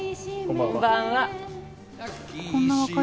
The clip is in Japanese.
こんばんは。